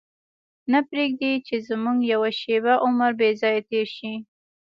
نه پرېږدي چې زموږ یوه شېبه عمر بې ځایه تېر شي.